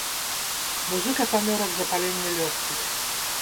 Музыка памёр ад запалення лёгкіх.